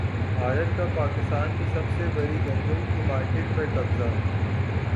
بھارت کا پاکستان کی سب سے بڑی گندم کی مارکیٹ پر قبضہ